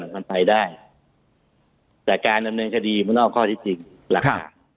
มันไปได้แต่การดำเนินคดีมันนอกข้อที่จริงหลักฐาน